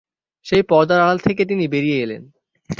সেই পর্দার আড়াল থেকে তিনি বেরিয়ে এলেন।